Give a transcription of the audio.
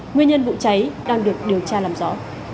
nguyên nhân vụ cháy đang được điều tra làm rõ